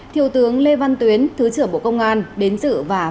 thiều tướng lê văn tuyến thứ trưởng bộ công an đến dự và phát biểu chỉ đạo